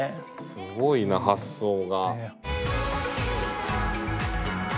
すごいな発想が。